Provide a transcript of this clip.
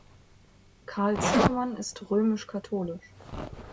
Karl Zimmermann ist römisch-katholisch.